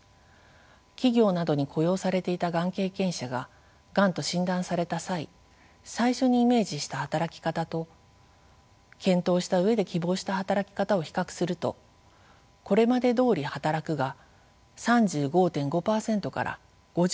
企業などに雇用されていたがん経験者ががんと診断された際「最初にイメージした働き方」と「検討した上で希望した働き方」を比較すると「これまでどおり働く」が３５．５％から５７．０％へと大きく増加しています。